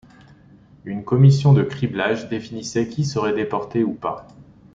Une commission de criblage définissait qui serait déporté ou pas.